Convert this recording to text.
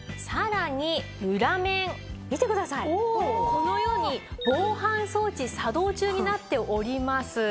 このように「防犯装置作動中！！」になっております。